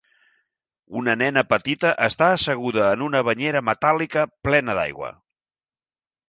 Una nena petita està asseguda en una banyera metàl·lica plena d'aigua.